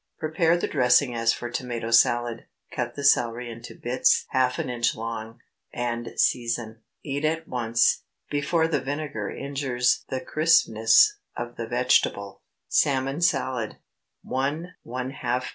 Prepare the dressing as for tomato salad; cut the celery into bits half an inch long, and season. Eat at once, before the vinegar injures the crispness of the vegetable. SALMON SALAD. ✠ 1½ lb.